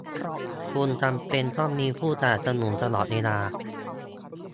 คุณจำเป็นต้องมีผู้สนับสนุนตลอดเวลา